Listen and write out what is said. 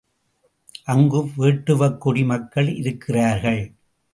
அங்கு வேட்டுவக்குடி மக்கள் இருக்கிறார்கள்.